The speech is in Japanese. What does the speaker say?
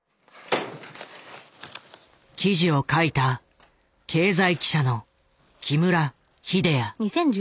記事を書いた経済記者の木村秀哉。